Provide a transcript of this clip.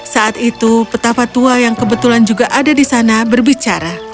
saat itu petapa tua yang kebetulan juga ada di sana berbicara